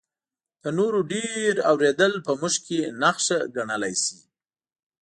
د نورو ډېر اورېدل په موږ کې نښه ګڼلی شي.